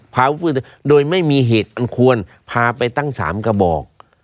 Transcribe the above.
พาอาวุธปืนโดยไม่มีเหตุอันควรพาไปตั้ง๓กระบอก